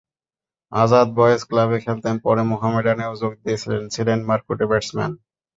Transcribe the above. Azad boys ক্লাবে খেলতেন, পরে মোহামেডানেও যোগ দিয়েছিলেন, ছিলেন মারকুটে ব্যাটসম্যান।